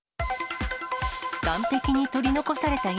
岸壁に取り残された犬。